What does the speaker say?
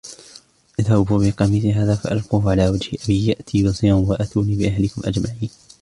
اذْهَبُوا بِقَمِيصِي هَذَا فَأَلْقُوهُ عَلَى وَجْهِ أَبِي يَأْتِ بَصِيرًا وَأْتُونِي بِأَهْلِكُمْ أَجْمَعِينَ